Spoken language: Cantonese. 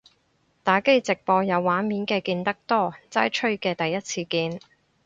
打機直播有畫面嘅見得多，齋吹嘅第一次見